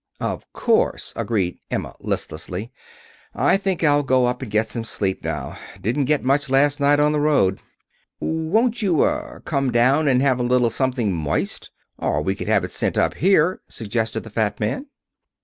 "Of course," agreed Emma listlessly. "I think I'll go up and get some sleep now. Didn't get much last night on the road." "Won't you er come down and have a little something moist? Or we could have it sent up here," suggested the fat man.